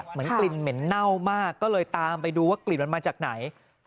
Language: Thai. กลิ่นเหม็นเน่ามากก็เลยตามไปดูว่ากลิ่นมันมาจากไหน